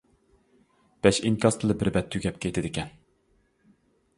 بەش ئىنكاستىلا بىر بەت تۈگەپ كېتىدىكەن.